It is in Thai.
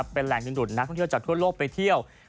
เป็นแหล่งดึงดูดนักท่องเที่ยวจากทั่วโลกไปเที่ยว